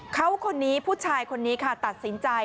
เขาคนนี้ผู้ชายคนนี้ค่ะตัดสินใจ